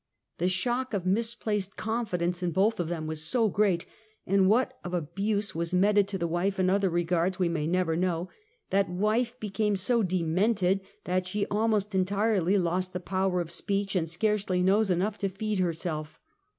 The shock of misplaced confi dence in both of them was so great, (and what of abuse was meted to the wife in other regards we may never know,) that wife became so demented that she almost entirely lost the power of speech, and scarcely knows enough to feed herself.